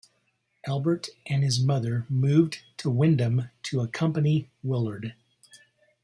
Albert and his mother moved to Windom to accompany Willard.